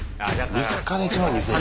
３日で１万２０００人。